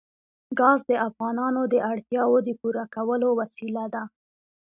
ګاز د افغانانو د اړتیاوو د پوره کولو وسیله ده.